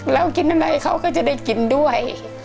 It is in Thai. แล้วกินอะไรเขาก็จะได้กินด้วย